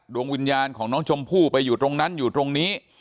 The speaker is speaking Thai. ดวงวิญญาณของน้องชมพู่ไปอยู่ตรงนั้นอยู่ตรงนี้